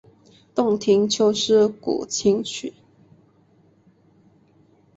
洞庭秋思古琴曲。